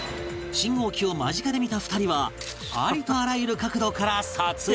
信号機を間近で見た２人はありとあらゆる角度から撮影